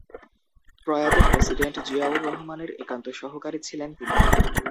প্রয়াত প্রেসিডেন্ট জিয়াউর রহমানের একান্ত সহকারী ছিলেন তিনি।